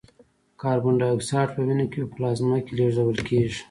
کاربن دای اکساید په وینه کې په پلازما کې لېږدول کېږي.